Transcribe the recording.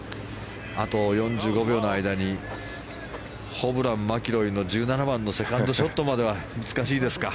あと４５秒の間にホブラン、マキロイの１７番のセカンドショットまでは難しいですか。